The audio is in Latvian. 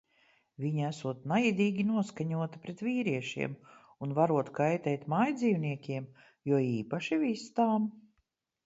Viņa esot naidīgi noskaņota pret vīriešiem un varot kaitēt mājdzīvniekiem, jo īpaši vistām.